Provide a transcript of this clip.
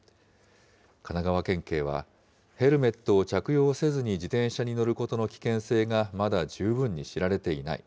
神奈川県警は、ヘルメットを着用せずに自転車に乗ることの危険性がまだ十分に知られていない。